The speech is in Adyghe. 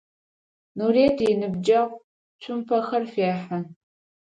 Нурыет иныбджэгъу цумпэхэр фехьы.